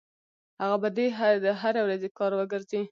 هغه به دې د هرې ورځې کار وګرځي.